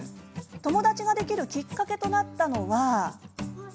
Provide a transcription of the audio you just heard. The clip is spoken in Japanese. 友達ができるきっかけとなったのは。